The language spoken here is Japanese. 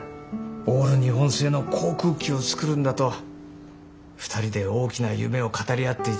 オール日本製の航空機を作るんだと２人で大きな夢を語り合っていたので。